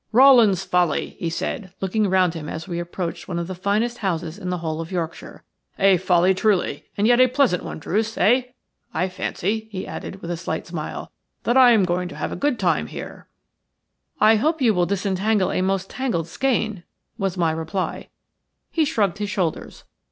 "Rowland's Folly!" he said, looking round him as we approached one of the finest houses in the whole of Yorkshire. "A folly, truly, and yet a pleasant one, Druce, eh? I fancy," he added, with a slight smile, "that I am going to have a good time here." "I hope you will disentangle a most tangled skein," was my reply. He shrugged his shoulders.